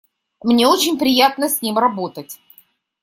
Мне очень приятно с ним работать.